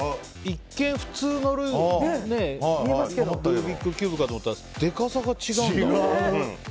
一見、普通のルービックキューブかと思ったらでかさが違うんだ。